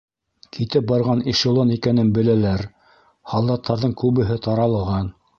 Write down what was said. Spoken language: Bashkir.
Китеп барған эшелон икәнен беләләр, һалдаттарҙың күбеһе таралған.